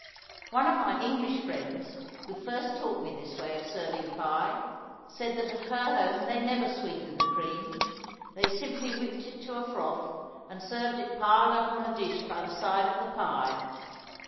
One of my English friends, who first taught me this way of serving pie, said that at her home they never sweetened the cream; they simply whipped it to a froth and served it piled up on a dish by the side of the pie.